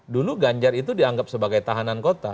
dulu ganjar itu dianggap sebagai tahanan kota